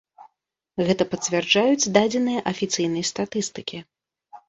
Гэта пацвярджаюць дадзеныя афіцыйнай статыстыкі.